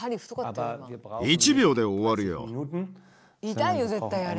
痛いよ絶対あれ。